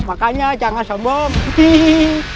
makanya jangan sombong